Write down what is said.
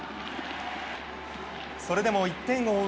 それでも１点を追う